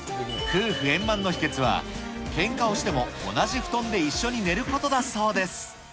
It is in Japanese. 夫婦円満の秘けつは、けんかをしても同じ布団で一緒に寝ることだそうです。